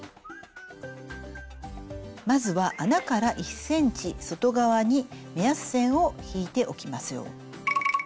まずは穴から１ｃｍ外側に目安線を引いておきましょう。